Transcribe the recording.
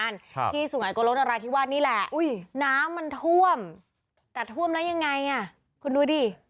น้ำมันท่วมแต่ท่วมแล้วยังไงคุณดูดิ